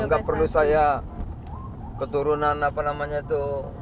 ya tidak perlu saya keturunan apa namanya itu